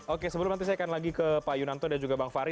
oke sebelum nanti saya akan lagi ke pak yunanto dan juga bang fahri